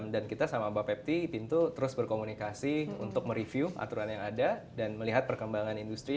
dan kita sama bapak pepti pintu terus berkomunikasi untuk mereview aturan yang ada dan melihat perkembangan industri